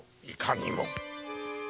いかにも。